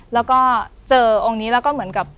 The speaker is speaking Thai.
แล้วก็เจอองค์นี้แล้วก็เหมือนกับ